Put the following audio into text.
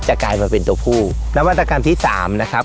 กลายมาเป็นตัวผู้นวัตกรรมที่สามนะครับ